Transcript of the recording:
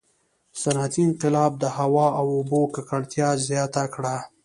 • صنعتي انقلاب د هوا او اوبو ککړتیا زیاته کړه.